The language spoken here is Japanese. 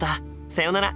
さよなら。